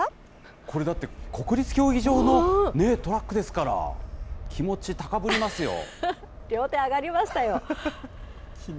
これだって、国立競技場のトラックですから、気持ち、両手上がりましたよ。